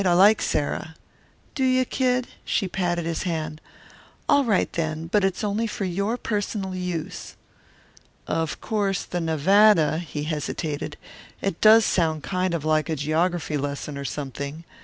I like Sarah." "Do you, Kid?" She patted his hand. "All right, then, but it's only for your personal use." "Of course the Nevada " he hesitated. "It does sound kind of like a geography lesson or something.